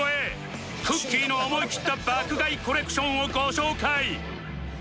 くっきー！の思い切った爆買いコレクションをご紹介